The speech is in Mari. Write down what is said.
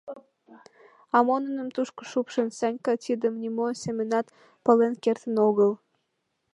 А мо нуным тушко шупшын, Санька тидым нимо семынат пален кертын огыл.